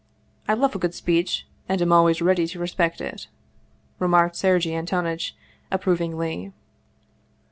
I love a good speech, and am always ready to respect it," remarked Sergei Antonitch approvingly.